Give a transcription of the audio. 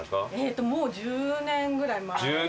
１０年ぐらい前？